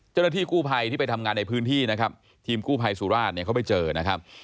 เจ้าหน้าที่กู้ภัยที่ไปทำงานในพื้นที่นะครับทีมกู้ภัยสุราชเนี่ยเขาไปเจอนะครับ